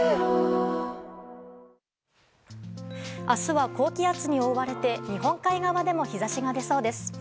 あすは高気圧に覆われて、日本海側でも日ざしが出そうです。